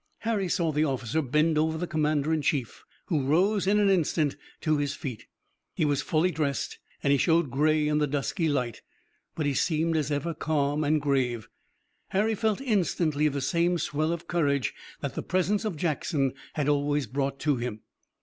Harry saw the officer bend over the commander in chief, who rose in an instant to his feet. He was fully dressed and he showed gray in the dusky light, but he seemed as ever calm and grave. Harry felt instantly the same swell of courage that the presence of Jackson had always brought to him.